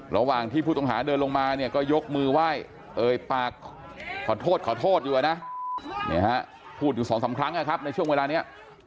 ระหว่างที่ผู้ต้องหาเดินลงมาเนี่ยก็ยกมือไหว้เอ่ยปากขอโทษขอโทษอยู่นะพูดอยู่สองสามครั้งนะครับในช่วงเวลานี้